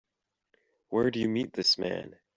Where'd you meet this man?